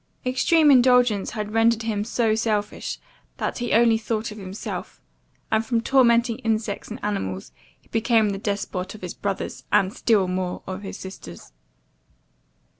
Extreme indulgence had rendered him so selfish, that he only thought of himself; and from tormenting insects and animals, he became the despot of his brothers, and still more of his sisters.